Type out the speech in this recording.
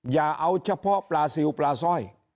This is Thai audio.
อย่าเอาเฉพาะปลาซิลปลาสร้อย